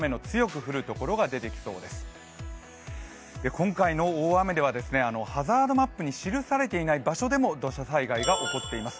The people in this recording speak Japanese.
今回の大雨ではハザードマップに記されていない場所でも土砂災害が起こっています